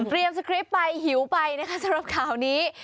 เตรียมสคริปต์ไปหิวไปสำหรับข่าวนี้